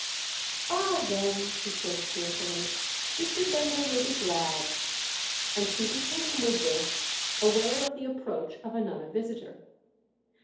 "Ah then," she said cheerfully, "Mr. Bender will be glad—!" And she became, with this, aware of the approach of another visitor.